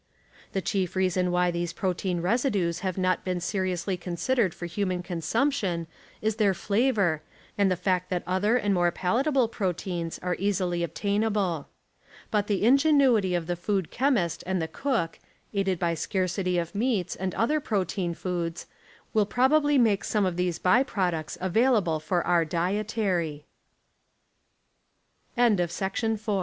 The chief reason why these protein residues have not been seriously considered for human consumjition is their flavor, and the fact that other and more palatable proteins are easily obtain able. But the ingenuity of the food chemist and the cook, aided by scarcity of meats and other ])rotein foods, will probably make some of these